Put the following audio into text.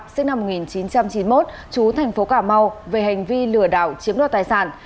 sinh năm một nghìn chín trăm chín mươi một chú thành phố cà mau về hành vi lừa đảo chiếm đoạt tài sản